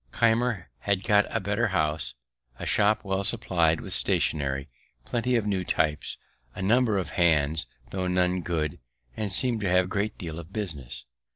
Keimer had got a better house, a shop well supply'd with stationery, plenty of new types, a number of hands, tho' none good, and seem'd to have a great deal of business.